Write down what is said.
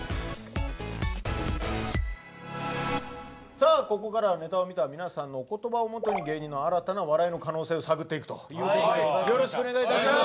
さあここからはネタを見たみなさんのお言葉をもとに芸人の新たな笑いの可能性を探っていくということでよろしくお願いいたします。